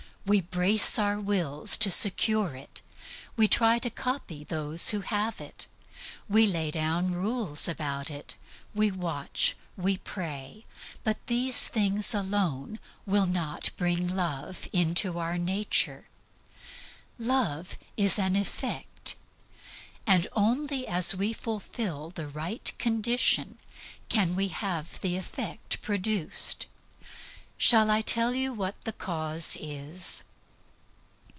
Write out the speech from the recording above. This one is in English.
We brace our wills to secure it. We try to copy those who have it. We lay down rules about it. We watch. We pray. But these things alone will not bring love into our nature. Love is an effect. And only as we fulfill the right condition can we have the effect produced. Shall I tell you what the cause is?